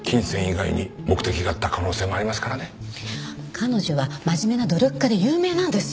彼女は真面目な努力家で有名なんです。